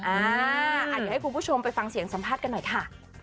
เดี๋ยวให้คุณผู้ชมไปฟังเสียงสัมภาษณ์กันหน่อยค่ะ